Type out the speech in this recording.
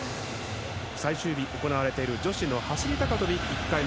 最終日、行われている女子走り高跳び、１回目。